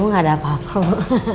nggak ada apa apa bu